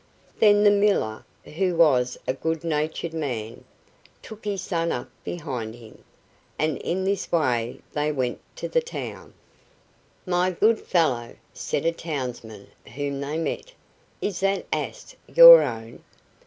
Then the miller, who was a good natured man, took his son up behind him, and in this way they went to the town. "My good fellow," said a townsman whom they met, "is that ass your own?"